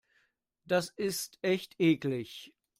Das ist echt eklig.